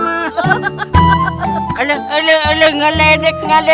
aduh tidak baik